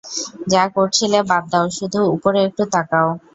যা করছিলে বাদ দাও, শুধু উপরে একটু তাকাও!